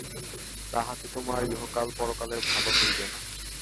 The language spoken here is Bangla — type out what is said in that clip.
তাহাতে তােমার ইহকাল পরকালের ভাল হইবে না।